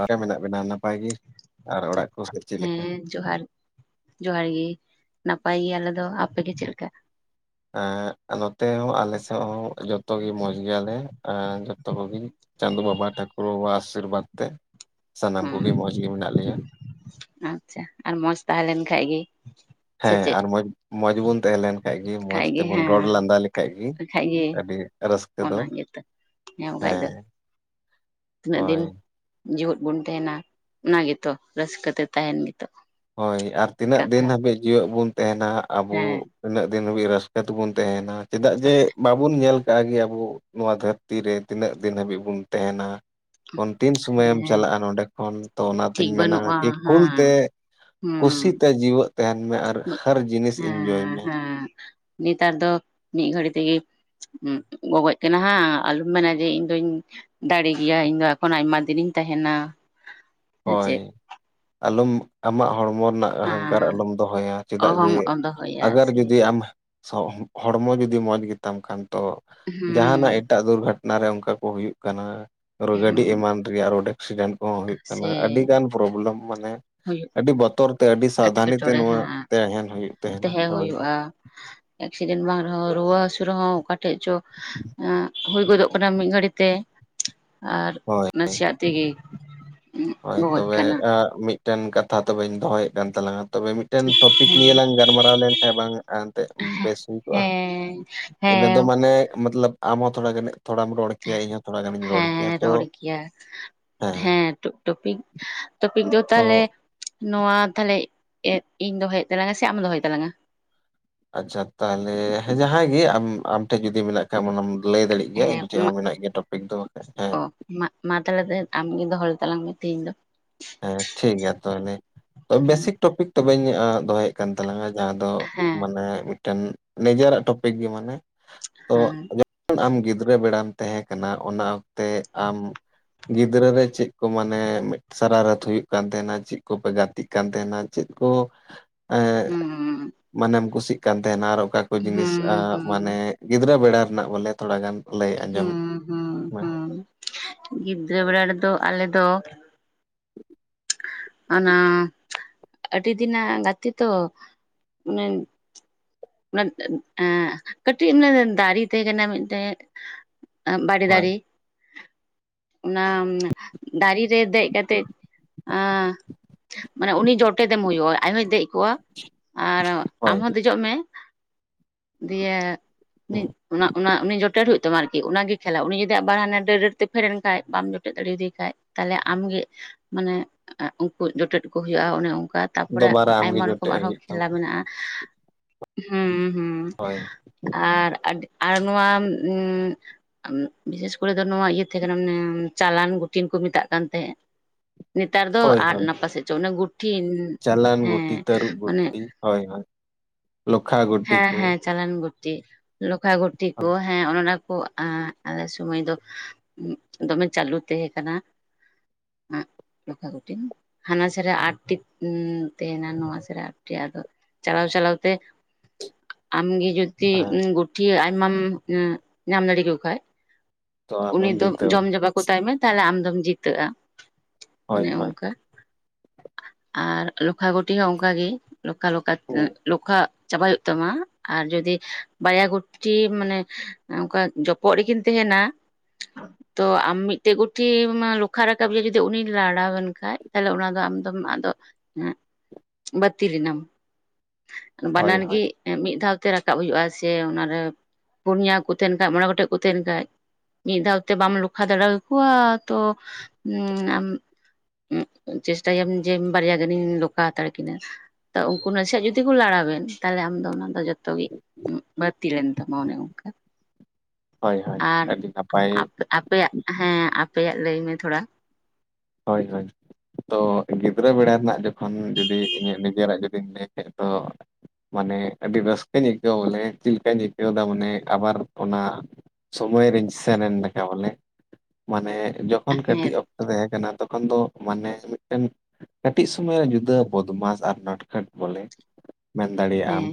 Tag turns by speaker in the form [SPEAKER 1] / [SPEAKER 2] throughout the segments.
[SPEAKER 1] ᱟᱨᱮ ᱢᱮᱱᱟᱜ ᱵᱮᱱᱟ ᱱᱟᱯᱟᱭ ᱜᱮ ᱟᱨ ᱚᱲᱟᱜ ᱠᱚ ᱥᱮᱫ ᱪᱮᱫᱞᱮᱠᱟ?
[SPEAKER 2] ᱦᱮᱸ ᱡᱚᱦᱟᱨ᱾ ᱡᱚᱦᱟᱨ ᱜᱮ ᱱᱟᱯᱟᱭ ᱜᱮ ᱟᱞᱮ ᱫᱚ ᱟᱯᱮ ᱜᱮ ᱪᱮᱫ ᱞᱮᱠᱟ?
[SPEAKER 1] ᱮᱸᱜ ᱱᱚᱛᱮ ᱦᱚᱸ ᱟᱞᱮ ᱥᱮᱫ ᱦᱚᱸ ᱡᱚᱛᱚᱜᱮ ᱢᱚᱸᱡᱽ ᱜᱮᱭᱟᱞᱮ ᱮᱸ ᱡᱚᱛᱚ ᱠᱚᱜᱮ᱾ ᱪᱟᱸᱫᱳ ᱵᱟᱵᱟ ᱴᱷᱟᱹᱠᱩᱨ ᱵᱟᱵᱟᱣᱟᱜ ᱟᱹᱥᱤᱨᱵᱟᱫᱽ ᱛᱮ᱾ ᱥᱟᱱᱟᱢ
[SPEAKER 2] ᱦᱩᱸ
[SPEAKER 1] ᱠᱚᱜᱮ ᱢᱚᱸᱡᱽ ᱜᱮ ᱢᱮᱱᱟᱜ ᱞᱮᱭᱟ᱾
[SPEAKER 2] ᱟᱪᱪᱷᱟ, ᱟᱨ ᱢᱚᱸᱡᱽ ᱛᱟᱦᱮᱸᱞᱮᱱ ᱠᱷᱟᱡ ᱜᱮ᱾ ᱥᱮ
[SPEAKER 1] ᱦᱮᱸ
[SPEAKER 2] ᱪᱮᱫ
[SPEAKER 1] ᱟᱨ ᱢᱚᱸᱡᱽ ᱢᱚᱸᱡᱽ ᱵᱚᱱ ᱛᱟᱦᱮᱸ ᱞᱮᱱ ᱠᱷᱟᱡ ᱜᱮ, ᱢᱚᱸᱡᱽ ᱛᱮᱵᱚᱱ ᱨᱚᱲ ᱞᱟᱸᱫᱟ ᱞᱮᱠᱷᱟᱡ ᱜᱮ᱾
[SPEAKER 2] ᱠᱷᱟᱡ ᱜᱮ
[SPEAKER 1] ᱟᱹᱰᱤ ᱨᱟᱹᱥᱠᱟᱹ ᱫᱚ᱾
[SPEAKER 2] [inaudible] ᱠᱷᱟᱡ ᱫᱚ᱾
[SPEAKER 1] ᱦᱮᱸ
[SPEAKER 2] ᱛᱤᱱᱟᱹᱜ ᱫᱤᱱ
[SPEAKER 1] ᱦᱳᱭ
[SPEAKER 2] ᱡᱤᱣᱟᱹᱫ ᱵᱚᱱ ᱛᱟᱦᱮᱱᱟ ᱚᱱᱟ ᱜᱮᱛᱚ ᱨᱟᱹᱥᱠᱟᱹ ᱛᱮ ᱛᱟᱦᱮᱱ ᱜᱮ ᱛᱟᱵᱚᱱ᱾
[SPEAKER 1] ᱦᱳᱭ ᱟᱨ ᱛᱤᱱᱟᱹᱜ ᱫᱤᱱ ᱦᱟᱹᱵᱤᱡ ᱡᱤᱣᱟᱹᱜ ᱵᱚᱱ ᱛᱟᱦᱮᱱᱟ ᱟᱵᱚ᱾
[SPEAKER 2] ᱦᱮᱸ
[SPEAKER 1] ᱩᱱᱟᱹᱜ ᱫᱤᱱ ᱦᱟᱹᱵᱤᱡ ᱨᱟᱹᱥᱠᱟᱹ ᱛᱮᱵᱩᱱ ᱛᱟᱦᱮᱱᱟ ᱪᱮᱫᱟᱜ ᱡᱮ ᱵᱟᱵᱩᱱ ᱧᱮᱞ ᱠᱟᱜᱼᱟ ᱜᱮ ᱟᱵᱚ᱾ ᱱᱚᱣᱟ ᱫᱷᱟᱹᱨᱛᱤ ᱨᱮ ᱛᱤᱱᱟᱹᱜ ᱫᱤᱱ ᱦᱟᱹᱵᱤᱡ ᱵᱚᱱ ᱛᱟᱦᱮᱱᱟ ᱛᱤᱱ ᱥᱩᱚᱢᱚᱭᱮᱢ
[SPEAKER 2] ᱦᱮᱸ
[SPEAKER 1] ᱪᱟᱞᱟᱜᱼᱟ ᱱᱚᱸᱰᱮ ᱠᱷᱚᱱ ᱛᱚ
[SPEAKER 2] ᱴᱷᱤᱠ
[SPEAKER 1] ᱚᱱᱟᱛᱤᱧ ᱢᱮᱱᱟ
[SPEAKER 2] ᱵᱟᱹᱱᱩᱜᱼᱟ
[SPEAKER 1] ᱠᱤ
[SPEAKER 2] ᱦᱮᱸ
[SPEAKER 1] ᱠᱩᱞᱛᱮ
[SPEAKER 2] ᱦᱩᱸ
[SPEAKER 1] ᱠᱩᱥᱤᱛᱮ ᱡᱤᱣᱮᱫ ᱛᱟᱦᱮᱱ ᱢᱮ ᱟᱨ ᱦᱟᱨ ᱡᱤᱱᱤᱥ ᱤᱱᱡᱚᱭ
[SPEAKER 2] ᱦᱮᱸ
[SPEAKER 1] ᱢᱮ,
[SPEAKER 2] ᱦᱮᱸ ᱱᱮᱛᱟᱨ ᱫᱚ ᱢᱤᱫ ᱜᱷᱟᱹᱲᱤ ᱛᱮᱜᱮ, ᱦ ᱜᱚᱜᱚᱡ ᱠᱟᱱᱟ ᱦᱟᱸᱜ ᱟᱞᱚᱢ ᱢᱮᱱᱟ ᱡᱮ ᱤᱧᱫᱩᱧ ᱫᱟᱲᱮ ᱜᱮᱭᱟ ᱤᱧ ᱫᱚ ᱮᱠᱷᱚᱱ ᱟᱭᱢᱟ ᱫᱤᱱᱤᱧ ᱛᱟᱦᱮᱱᱟ, ᱥᱮ ᱪᱮᱫ
[SPEAKER 1] ᱦᱳᱭ ᱟᱞᱚᱢ ᱟᱢᱟᱜ ᱦᱚᱲᱢᱚ ᱨᱮᱱᱟᱜ ᱟᱦᱟᱱᱠᱟᱨ
[SPEAKER 2] ᱦᱮᱸ
[SPEAKER 1] ᱟᱞᱚᱢ ᱫᱚᱦᱚᱭᱟ ᱪᱮᱫᱟᱜ ᱡᱮ
[SPEAKER 2] ᱚᱦᱚᱢ ᱫᱚᱦᱚᱭᱟ
[SPEAKER 1] ᱟᱜᱟᱨ
[SPEAKER 2] ᱥᱮ
[SPEAKER 1] ᱡᱩᱫᱤ ᱟᱢ, ᱥᱟᱶ ᱦᱚᱲᱢᱚ ᱡᱩᱫᱤ ᱢᱚᱸᱡᱽ ᱜᱮᱛᱟᱢ ᱠᱷᱟᱱ ᱛᱚ ᱡᱟᱦᱟᱱᱟᱜ
[SPEAKER 2] ᱦᱮᱸ
[SPEAKER 1] ᱮᱴᱟᱜ ᱫᱩᱨᱜᱷᱚᱴᱚᱱᱟ ᱨᱮ ᱚᱱᱠᱟ ᱠᱚ ᱮᱴᱟᱜ ᱮᱴᱟᱜ ᱫᱩᱨᱜᱷᱚᱴᱱᱟ ᱦᱩᱭᱩᱜ ᱠᱟᱱᱟ ᱟᱨᱚ ᱜᱟᱹᱰᱤ
[SPEAKER 2] ᱦᱮᱸ
[SPEAKER 1] ᱮᱢᱟᱱ ᱨᱮᱭᱟᱜ ᱨᱳᱰ ᱮᱠᱥᱤᱰᱮᱱᱴ ᱠᱚᱦᱚᱸ ᱦᱩᱭᱩᱜ ᱠᱟᱱᱟ,
[SPEAKER 2] ᱥᱮ
[SPEAKER 1] ᱟᱹᱰᱤ ᱜᱟᱱ ᱯᱨᱚᱵᱞᱮᱢ ᱢᱟᱱᱮ,
[SPEAKER 2] ᱦᱩᱭᱩᱜ
[SPEAKER 1] ᱟᱹᱰᱤ ᱵᱚᱛᱚᱨ ᱛᱮ ᱟᱹᱰᱤ ᱥᱟᱵᱫᱷᱟᱱᱤ ᱛᱮ
[SPEAKER 2] ᱮᱴᱠᱮᱴᱚᱬᱮ
[SPEAKER 1] ᱱᱚᱣᱟ
[SPEAKER 2] ᱦᱟᱸᱜ
[SPEAKER 1] ᱛᱟᱦᱮᱱ ᱦᱩᱭᱩᱜ ᱛᱟᱦᱮᱱᱟ
[SPEAKER 2] ᱛᱟᱦᱮᱸ
[SPEAKER 1] ᱦᱳᱭ,
[SPEAKER 2] ᱦᱩᱭᱩᱜᱼᱟ ᱮᱠᱥᱤᱰᱮᱱᱴ ᱵᱟᱝ ᱨᱮᱦᱚᱸ ᱨᱩᱣᱟᱹ ᱦᱥᱩ ᱨᱮᱦᱚᱸ ᱚᱠᱟ ᱴᱷᱮᱡ ᱪᱚ ᱮ ᱦᱩᱭ ᱜᱚᱫᱚᱜ ᱠᱟᱱᱟ ᱢᱤᱫ ᱜᱷᱟᱹᱲᱤ ᱛᱮ ᱟᱨ
[SPEAKER 1] ᱦᱳᱭ
[SPEAKER 2] ᱱᱟᱥᱮᱭᱟᱜ ᱛᱮᱜᱮ
[SPEAKER 1] ᱦᱳᱭ
[SPEAKER 2] ᱜᱚᱜᱚᱡ
[SPEAKER 1] ᱛᱚᱵᱮ
[SPEAKER 2] ᱠᱟᱱᱟ
[SPEAKER 1] ᱟ.. ᱢᱤᱫᱴᱮᱱ ᱠᱟᱛᱷᱟ ᱛᱚᱵᱮᱧ ᱫᱚᱦᱚᱭᱮᱫ ᱠᱟᱱ ᱛᱟᱞᱟᱝᱟ ᱛᱚᱵᱮ ᱢᱤᱫᱴᱮᱱ ᱴᱚᱯᱤᱠ ᱱᱤᱭᱮ ᱞᱟᱝ ᱜᱟᱱᱚᱜ ᱜᱟᱞᱢᱟᱨᱟᱣ ᱞᱮᱱᱠᱷᱷᱟ ᱵᱟᱝ ᱮᱱᱛᱮᱫ ᱵᱮᱥ ᱦᱩᱭ ᱠᱚᱜᱼᱟ
[SPEAKER 2] ᱦᱮᱸ
[SPEAKER 1] ᱤᱱᱟᱹ
[SPEAKER 2] ᱦᱮᱸ
[SPEAKER 1] ᱫᱚ ᱢᱟᱱᱮ ᱢᱚᱛᱞᱚᱵ ᱟᱢ ᱦᱚᱸ ᱛᱷᱚᱲᱟ ᱜᱟᱱᱮᱜ ᱛᱷᱚᱲᱟᱢ ᱨᱚᱲ ᱠᱮᱭᱟ ᱤᱧ ᱦᱚᱸ ᱛᱷᱚᱲᱟ ᱜᱟᱱᱤᱧ ᱨᱚᱲ ᱠᱮᱭᱟ
[SPEAKER 2] ᱦᱮᱸ
[SPEAKER 1] ᱛᱚ
[SPEAKER 2] ᱨᱚᱲ ᱜᱮᱭᱟ ᱦᱮᱸ ᱴᱚᱯᱤᱠ ᱴᱚᱯᱤᱠ ᱫᱚ
[SPEAKER 1] ᱛᱚ
[SPEAKER 2] ᱛᱟᱦᱚᱞᱮ ᱱᱚᱣᱟ ᱛᱟᱦᱚᱞᱮ ᱮᱸᱫ ᱤᱧ ᱫᱚᱦᱚᱭ ᱛᱟᱞᱟᱝᱟ ᱥᱮ ᱟᱢ ᱫᱚᱦᱚᱭ ᱛᱟᱞᱟᱝᱟ?
[SPEAKER 1] ᱟᱪᱪᱷᱟ ᱛᱟᱦᱚᱞᱮ ᱦᱮᱸ ᱡᱟᱦᱟᱸᱭ ᱜᱮ ᱟᱢ ᱟᱢ ᱴᱷᱮᱡ ᱡᱩᱫᱤ ᱢᱮᱱᱟᱜ ᱠᱷᱟᱡ ᱚᱱᱟᱢ ᱞᱟᱹᱭ ᱫᱟᱲᱮᱜ, ᱜᱮᱭᱟ
[SPEAKER 2] ᱦᱮᱸ
[SPEAKER 1] ᱤᱧ ᱴᱷᱮᱫ ᱦᱚᱸ ᱢᱮᱱᱟᱜ ᱜᱮᱭᱟ ᱴᱚᱯᱤᱠ ᱫᱚ [unintelligible] ᱦᱮᱸ
[SPEAKER 2] ᱚ ᱢᱟ ᱢᱟ ᱛᱟᱦᱚᱞᱮ [unintelligible] ᱟᱢᱜᱮ ᱫᱚᱦᱚᱭ ᱛᱟᱞᱟᱝ ᱢᱮ ᱛᱤᱦᱤᱧ ᱫᱚ,
[SPEAKER 1] ᱦᱮᱸ ᱴᱷᱤᱠ ᱜᱮᱭᱟ ᱛᱟᱦᱚᱞᱮ ᱵᱮᱥᱤᱠ ᱴᱚᱯᱤᱠ ᱛᱚᱵᱮᱧ ᱫᱚᱦᱚᱭᱮᱫ ᱠᱟᱱ ᱛᱟᱞᱟᱝᱟ, ᱡᱟᱦᱟᱫᱚ
[SPEAKER 2] ᱦᱮᱸ
[SPEAKER 1] ᱢᱟᱱᱮ ᱢᱤᱫᱴᱮᱱ ᱱᱤᱡᱮᱨᱟᱜ ᱴᱚᱯᱤᱠ ᱜᱮ ᱢᱟᱱᱮ ᱛᱚ
[SPEAKER 2] ᱦᱮᱸ
[SPEAKER 1] ᱟᱢ ᱜᱤᱫᱽᱨᱟᱹ ᱵᱮᱲᱟᱢ ᱛᱟᱦᱮᱸ ᱠᱟᱱᱟ ᱚᱱᱟ ᱚᱠᱛᱮ ᱟᱢ ᱜᱤᱫᱽᱨᱟᱹ ᱨᱮ ᱪᱮᱫ ᱠᱚ ᱢᱟᱱᱮ ᱢᱤᱫ ᱥᱟᱨᱟ ᱨᱟᱹᱛᱷ ᱦᱩᱭᱩᱜ ᱠᱟᱱ ᱛᱟᱦᱮᱱᱟ ᱪᱮᱫ ᱠᱚᱯᱮ ᱜᱟᱛᱮᱜ ᱠᱟᱱ ᱛᱟᱦᱮᱱᱟ ᱪᱮᱫ ᱠᱚ ᱮᱸ
[SPEAKER 2] ᱦᱩᱸ ᱩᱸ
[SPEAKER 1] ᱢᱟᱱᱮᱢ ᱠᱩᱥᱤᱜ ᱠᱟᱱ ᱛᱟᱦᱮᱱᱟ ᱟᱨ ᱚᱠᱟ ᱠᱚ ᱡᱤᱱᱤᱥ
[SPEAKER 2] ᱦᱩᱸ
[SPEAKER 1] ᱢᱟᱱᱮ
[SPEAKER 2] ᱦᱩᱸ
[SPEAKER 1] ᱜᱤᱫᱽᱨᱟᱹ ᱵᱮᱲᱟ ᱨᱮᱱᱟᱜ ᱵᱚᱞᱮ ᱛᱷᱚᱲᱟ ᱜᱟᱱ ᱞᱟᱹᱭ
[SPEAKER 2] ᱦᱩᱸ
[SPEAKER 1] ᱟᱸᱡᱚᱢ
[SPEAKER 2] ᱦᱩᱸ
[SPEAKER 1] ᱢᱮ
[SPEAKER 2] ᱦᱩᱸ ᱜᱤᱫᱽᱨᱟᱹ ᱵᱮᱲᱟ ᱨᱮᱫᱚ ᱟᱞᱮ ᱫᱚ
[SPEAKER 1] [unintelligible]
[SPEAKER 2] ᱚᱱᱟ ᱟᱹᱰᱤ ᱫᱤᱱᱟᱜ ᱜᱟᱛᱮ ᱛᱚ, ᱚᱱᱮ ᱚᱱᱟ [unintelligible] ᱮᱸ ᱠᱟᱹᱴᱤᱡ ᱫᱟᱨᱮ ᱛᱟᱦᱮᱸ ᱠᱟᱱᱟ ᱢᱤᱫᱴᱮᱱᱡ ᱵᱟᱲᱮ
[SPEAKER 1] ᱦᱳᱭ
[SPEAKER 2] ᱫᱟᱨᱮ ᱚᱱᱟ ᱫᱟᱨᱮ ᱨᱮ ᱫᱮᱡ ᱠᱟᱛᱮᱜ ᱮᱸ ᱢᱟᱱᱮ ᱩᱱᱤ ᱡᱚᱴᱮᱫ ᱮᱢ ᱦᱩᱭᱩᱜᱼᱟ ᱟᱡ ᱦᱚᱭ ᱫᱮᱡ ᱠᱚᱜᱼᱟ ᱟᱨ
[SPEAKER 1] ᱦᱳᱭ
[SPEAKER 2] ᱟᱢ ᱦᱚᱸ ᱫᱮ ᱚᱜ ᱢᱮ ᱫᱤᱭᱮ ᱩᱱᱤ
[SPEAKER 1] ᱦᱩᱸ
[SPEAKER 2] ᱚᱱᱟ ᱚᱱᱟ ᱩᱱᱤ ᱡᱚᱴᱮᱨ ᱦᱩᱭᱩᱜ ᱛᱟᱢᱟ ᱟᱨᱠᱤ ᱚᱱᱟᱜᱮ ᱠᱷᱮᱞᱟ ᱩᱱᱤ ᱡᱩᱫᱤ ᱟᱵᱟᱨ ᱦᱟᱱᱮ ᱰᱟᱹᱨ ᱰᱟᱹᱨ ᱛᱮ ᱯᱷᱮᱰ ᱮᱱ ᱠᱷᱟᱡ ᱵᱟᱢ ᱡᱚᱴᱮᱫ ᱫᱟᱲᱮᱭᱟᱫᱮ ᱠᱷᱟᱡ ᱛᱟᱦᱞᱮ ᱟᱢᱜᱮ ᱢᱟᱱᱮ ᱩᱱᱠᱩ ᱡᱚᱴᱮᱫ ᱠᱚ ᱦᱩᱭᱩᱜᱼᱟ ᱚᱱᱮ ᱚᱱᱠᱟ, ᱛᱟᱯᱚᱨᱮ
[SPEAKER 1] ᱫᱚᱵᱟᱨᱟ ᱟᱢᱜᱮ
[SPEAKER 2] ᱟᱭᱢᱟ ᱨᱚᱠᱚᱢ
[SPEAKER 1] ᱡᱚᱴᱮᱫ
[SPEAKER 2] ᱟᱨᱦᱚᱸ
[SPEAKER 1] ᱦᱩᱭᱩᱜ
[SPEAKER 2] ᱠᱷᱮᱞᱟ
[SPEAKER 1] ᱛᱟᱢᱟ
[SPEAKER 2] ᱢᱮᱱᱟᱜᱼᱟ ᱦᱩᱸ ᱦᱩᱸ
[SPEAKER 1] ᱦᱳᱭ
[SPEAKER 2] ᱟᱨ ᱟᱨ ᱱᱚᱣᱟ ᱩᱸ [unintelligible] ᱵᱤᱥᱮᱥ ᱠᱚᱨᱮ ᱫᱚ ᱱᱚᱣᱟ ᱤᱭᱟᱹ ᱛᱟᱦᱮᱸ ᱠᱟᱱᱟ ᱢᱟᱱᱮ ᱪᱟᱞᱟᱱ ᱜᱩᱴᱤᱱ ᱠᱚ ᱢᱮᱛᱟᱜ ᱠᱟᱱ ᱛᱟᱦᱮᱸᱫ, ᱱᱮᱛᱟᱨ ᱫᱚ
[SPEAKER 1] ᱦᱳᱭ
[SPEAKER 2] ᱟᱫ
[SPEAKER 1] ᱦᱳᱭ
[SPEAKER 2] ᱱᱟ ᱯᱟᱥᱮᱡ [unintelligible] ᱪᱚ ᱚᱱᱮ ᱜᱩᱴᱷᱤᱱ
[SPEAKER 1] ᱪᱟᱞᱟᱱ ᱜᱩᱴᱤ,
[SPEAKER 2] ᱦᱮᱸ
[SPEAKER 1] ᱛᱟᱹᱨᱩᱵ
[SPEAKER 2] ᱢᱟᱱᱮ
[SPEAKER 1] ᱜᱩᱴᱤ ᱦᱳᱭ ᱦᱳᱭ ᱞᱚᱠᱷᱟ ᱜᱩ
[SPEAKER 2] ᱦᱮᱸ ᱦᱮᱸ ᱪᱟᱞᱟᱱ ᱜᱩᱴᱤ, ᱞᱚᱠᱷᱟ ᱜᱩᱴᱤ ᱠᱚ
[SPEAKER 1] ᱦᱳᱭ
[SPEAKER 2] ᱦᱮᱸ ᱚᱱᱮ ᱚᱱᱟ ᱠᱚ ᱟᱸ ᱟᱞᱮ ᱥᱚᱢᱚᱭ ᱫᱚ ᱫᱚᱢᱮ ᱪᱟᱹᱞᱩ ᱛᱟᱦᱮᱸ ᱠᱟᱱᱟ, ᱞᱚᱠᱷᱟ ᱜᱩᱴᱤᱱ ᱦᱟᱱᱟ ᱥᱟ ᱨᱮ ᱟᱴᱴᱤ ᱛᱟᱦᱮᱱᱟ ᱱᱚᱣᱟ ᱥᱟ ᱨᱮ ᱟᱴᱴᱤ ᱟᱫᱚ ᱪᱟᱞᱟᱣ ᱪᱟᱞᱟᱣ ᱛᱮ ᱟᱢᱜᱮ ᱡᱚᱫᱤ
[SPEAKER 1] ᱦᱮᱸ
[SPEAKER 2] ᱜᱩᱴᱷᱤ ᱟᱭᱢᱟᱢ ᱧᱟᱢ ᱫᱟᱲᱮᱠᱚ ᱠᱷᱟᱡ
[SPEAKER 1] ᱛᱚ
[SPEAKER 2] ᱩᱱᱤ
[SPEAKER 1] ᱟᱢᱮᱢ
[SPEAKER 2] ᱫᱚᱢ
[SPEAKER 1] ᱡᱤᱛᱟᱹᱣ
[SPEAKER 2] ᱡᱚᱢ
[SPEAKER 1] ᱮᱱᱟ᱾
[SPEAKER 2] ᱡᱟᱵᱟ ᱠᱚᱛᱟᱭ ᱢᱮ ᱛᱟᱦᱚᱞᱮ ᱟᱢ ᱫᱚᱢ ᱡᱤᱛᱟᱹᱜᱼᱟ
[SPEAKER 1] ᱦᱳᱭ
[SPEAKER 2] ᱚᱱᱮ
[SPEAKER 1] ᱦᱳᱭ
[SPEAKER 2] ᱚᱱᱠᱟ ᱾ ᱟᱨ ᱞᱚᱠᱷᱟ ᱜᱩᱴᱤ ᱦᱚᱸ ᱚᱱᱠᱟᱜ ᱜᱮ ᱞᱚᱠᱷᱟ ᱞᱚᱠᱷᱟ
[SPEAKER 1] ᱦᱩᱸ
[SPEAKER 2] ᱞᱚᱠᱷᱟ ᱪᱟᱵᱟᱭ ᱦᱩᱭᱩᱜ ᱛᱟᱢᱟ ᱟᱨ ᱡᱚᱫᱤ ᱵᱟᱨᱭᱟ ᱜᱩᱴᱤ ᱢᱟᱱᱮ ᱚᱱᱠᱟ ᱡᱚᱯᱚᱜ ᱨᱮᱠᱤᱱ ᱛᱟᱦᱮᱱᱟ ᱛᱚ ᱟᱢ ᱢᱤᱫᱴᱮᱡ ᱜᱩᱴᱷᱤ ᱢᱟ ᱞᱚᱠᱷᱟ ᱨᱟᱠᱟᱵᱭᱟ ᱡᱩᱫᱤ ᱩᱱᱤ ᱞᱟᱲᱟᱣᱮᱱ ᱠᱷᱟᱡ ᱛᱟᱦᱞᱮ ᱚᱱᱟ ᱫᱚ ᱟᱢᱫᱚᱢ ᱟᱫᱚ ᱮᱸ ᱵᱟᱛᱤᱨ ᱮᱱᱟᱢ
[SPEAKER 1] ᱦᱳᱭ
[SPEAKER 2] ᱵᱟᱱᱟᱨ
[SPEAKER 1] ᱦᱳᱭ
[SPEAKER 2] ᱜᱮ ᱢᱤᱫ ᱫᱷᱟᱣᱛᱮ ᱨᱟᱠᱟᱵ ᱦᱩᱭᱩᱜᱼᱟ ᱥᱮ ᱚᱱᱟᱨᱮ ᱯᱩᱱᱭᱟ ᱠᱚ ᱛᱟᱦᱮᱱ ᱠᱷᱟᱡ ᱢᱚᱬᱮ ᱜᱚᱴᱮᱡ ᱠᱚ ᱛᱟᱦᱮᱱ ᱠᱷᱟᱡ ᱢᱤᱫ ᱫᱷᱟᱣ ᱛᱮ ᱵᱟᱢ ᱞᱚᱠᱷᱟ ᱫᱟᱲᱮ ᱟᱠᱚᱣᱟ ᱛᱚᱻ ᱩᱸᱜ ᱪᱮᱥᱴᱟᱭᱟᱢ ᱡᱮ ᱵᱟᱨᱭᱟ ᱜᱟᱱᱤᱧ ᱞᱚᱠᱟ ᱦᱟᱛᱟᱲ ᱠᱤᱱᱟ ᱛᱚ ᱩᱱᱠᱩ ᱱᱟᱥᱮᱭᱟᱜ ᱡᱩᱫᱤ ᱠᱚ ᱞᱟᱲᱟᱣᱮᱱ ᱛᱟᱦᱚᱞᱮ ᱟᱢᱫᱚ ᱚᱱᱟ ᱫᱚ ᱡᱚᱛᱚᱜᱮ ᱵᱟᱹᱛᱤᱞᱮᱱ ᱛᱟᱢᱟ ᱚᱱᱮ ᱚᱱᱠᱟ
[SPEAKER 1] ᱦᱳᱭ ᱦᱳᱭ
[SPEAKER 2] ᱟᱨ
[SPEAKER 1] ᱟᱹᱰᱤ ᱱᱟᱯᱟᱭ
[SPEAKER 2] ᱟᱯ ᱟᱯᱮᱭᱟᱜ ᱦᱮᱸ ᱟᱯᱮᱭᱟᱜ ᱞᱟᱹᱭ ᱢᱮ ᱛᱷᱚᱲᱟ
[SPEAKER 1] ᱦᱳᱭ ᱦᱳᱭ ᱾ ᱛᱚ ᱜᱤᱫᱽᱨᱟᱹ ᱵᱮᱲᱟ ᱨᱮᱱᱟᱜ ᱡᱚᱠᱷᱚᱱ ᱡᱩᱫᱤ ᱤᱧᱟᱹᱜ ᱱᱤᱡᱮᱨᱟᱜ ᱡᱩᱫᱤᱧ ᱞᱟᱹᱭ ᱠᱷᱟᱡ ᱛᱚ ᱢᱟᱱᱮ ᱟᱹᱰᱤ ᱨᱟᱹᱥᱠᱟᱹᱧ ᱟᱹᱭᱠᱟᱹᱣᱟ ᱵᱚᱞᱮ ᱪᱮᱫ ᱞᱮᱠᱟᱧ ᱟᱹᱭᱠᱟᱹᱣᱮᱫᱟ ᱢᱟᱱᱮ ᱟᱵᱟᱨ ᱚᱱᱟ ᱥᱚᱢᱚᱭ ᱨᱤᱧ ᱥᱮᱱᱮᱱ ᱞᱮᱠᱟ ᱵᱚᱞᱮ ᱢᱟᱱᱮ ᱡᱚᱠᱷᱚᱱ
[SPEAKER 2] ᱦᱮᱸ
[SPEAKER 1] ᱠᱟᱹᱴᱤᱡ ᱚᱠᱛᱚ ᱛᱟᱦᱮᱸ ᱠᱟᱱᱟ ᱛᱚᱠᱷᱚᱱ ᱫᱚ ᱢᱟᱱᱮ ᱢᱤᱫᱴᱮᱱ ᱠᱟᱹᱴᱤᱡ ᱥᱚᱢᱚᱭ ᱨᱮ ᱡᱩᱫᱟᱹ ᱵᱚᱫᱢᱟᱥ ᱟᱨ ᱱᱚᱴᱠᱟᱴ ᱵᱚᱞᱮ᱾ ᱢᱮᱱ ᱫᱟᱲᱮᱭᱟᱜ ᱟᱢ
[SPEAKER 2] ᱦᱮᱸ